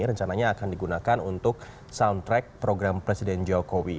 rencananya akan digunakan untuk soundtrack program presiden jokowi